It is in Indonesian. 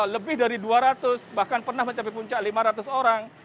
lebih dari dua ratus bahkan pernah mencapai puncak lima ratus orang